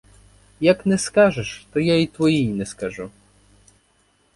Як не скажеш, то я і твоїй не скажу.